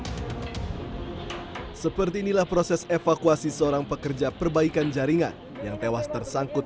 hai seperti inilah proses evakuasi seorang pekerja perbaikan jaringan yang tewas tersangkut